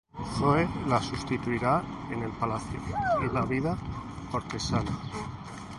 Zoe la sustituirá en el palacio y la vida cortesana.